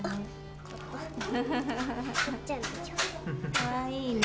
かわいいね。